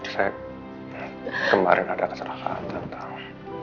saya kemarin ada kesalahan tentang